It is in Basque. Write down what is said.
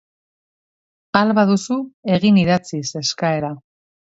Ahal baduzu, egin idatziz eskaera.